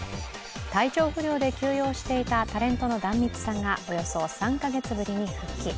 体調不良で休養していたタレントの壇蜜さんがおよそ３か月ぶりに復帰。